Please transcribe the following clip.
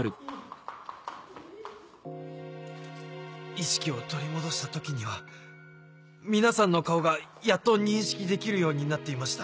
・意識を取り戻した時には皆さんの顔がやっと認識できるようになっていました